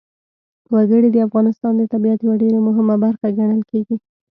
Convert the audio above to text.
وګړي د افغانستان د طبیعت یوه ډېره مهمه برخه ګڼل کېږي.